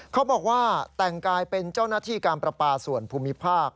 เขาบอกว่าแต่งกายเป็นเจ้าหน้าที่การประปาส่วนภูมิภาค